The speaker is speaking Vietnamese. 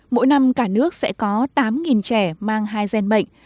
mỗi năm cả nước sẽ có tám trẻ mang hai gen bệnh